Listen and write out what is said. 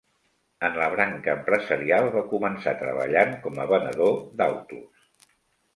En la branca empresarial, va començar treballant com a venedor d'autos.